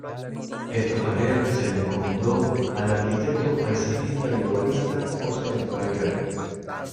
Esta tarea se le encomendó al arquitecto paisajista y urbanista Óscar Prager.